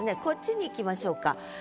こっちに行きましょうか。